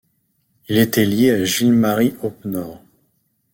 Il était lié à Gilles-Marie Oppenord.